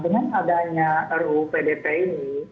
dengan adanya ruu pdp ini